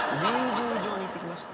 宮城に行ってきまして。